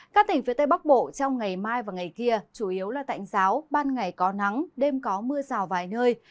các tỉnh phía tây bắc bộ trong ngày mai và ngày kia chủ yếu là tạnh giáo ban ngày có nắng đêm có mưa rào vài nơi